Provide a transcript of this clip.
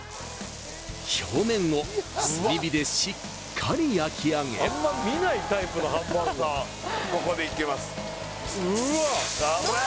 表面を炭火でしっかり焼き上げここでいきますおら！